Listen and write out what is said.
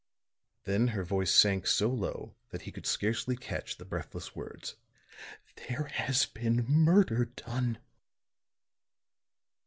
Then her voice sank so low that he could scarcely catch the breathless words. "There has been murder done."